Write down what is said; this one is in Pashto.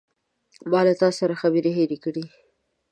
ما له تاسو سره خبرې هیرې کړې.